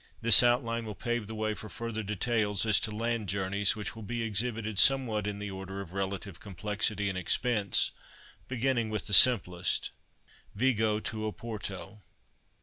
This outline will pave the way for further details as to land journeys, which will be exhibited somewhat in the order of relative complexity and expense, beginning with the simplest. VIGO TO OPORTO.